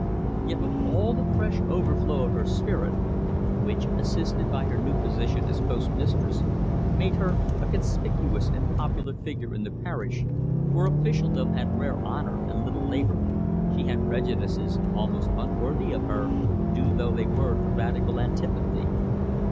Yet with all the fresh overflow of her spirit, which, assisted by her new position as postmistress, made her a conspicuous and popular figure in the parish, where officialdom had rare honour and little labour, she had prejudices almost unworthy of her, due though they were to radical antipathy.